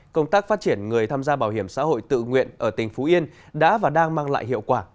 công tác phát triển người tham gia bảo hiểm xã hội tự nguyện ở tỉnh phú yên đã và đang mang lại hiệu quả